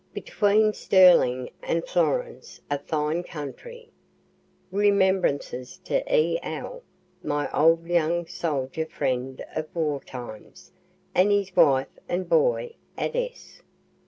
Between Sterling and Florence a fine country. (Remembrances to E. L., my old young soldier friend of war times, and his wife and boy at S.)